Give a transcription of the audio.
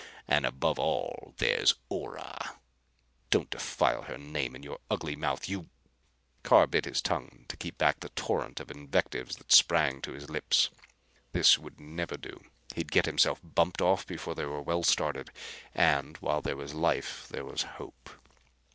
And, above all, there's Ora " "Don't defile her name in your ugly mouth, you !"Carr bit his tongue to keep back the torrent of invectives that sprang to his lips. This would never do! He'd get himself bumped off before they were well started. And while there was life there was hope.